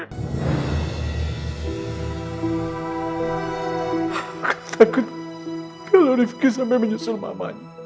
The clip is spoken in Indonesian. kalau takut kalau rifki sampai menyusul mamanya